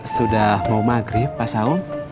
sudah mau maghrib pak sao